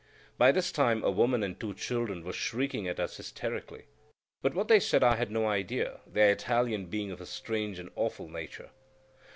By this time a woman and two children were shrieking at us hysterically; but what they said I had no idea, their Italian being of a strange and awful nature.